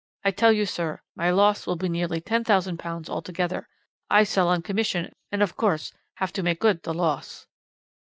I tell you, sir, my loss will be nearly £10,000 altogether. I sell on commission, and, of course, have to make good the loss.'